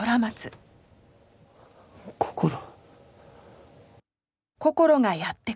こころ？